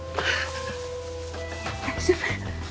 大丈夫？